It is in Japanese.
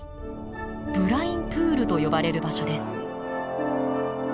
ブラインプールと呼ばれる場所です。